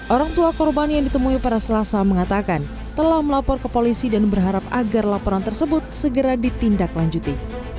orang tua korban yang ditemui pada selasa mengatakan telah melapor ke polisi dan berharap agar laporan tersebut segera ditindaklanjuti